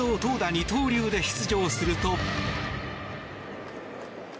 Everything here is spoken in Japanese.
二刀流で出場すると。